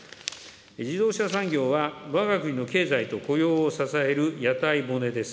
自動車産業は、わが国の経済と雇用を支える屋台骨です。